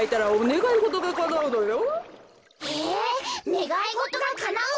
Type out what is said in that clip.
ねがいごとがかなう？